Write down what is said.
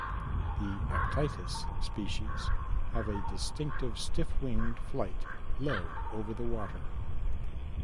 The "Actitis" species have a distinctive stiff-winged flight low over the water.